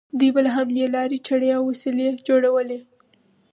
دوی به له همدې لارې چړې او وسلې جوړولې.